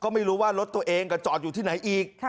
ไม่รู้ว่ารถตัวเองก็จอดอยู่ที่ไหนอีก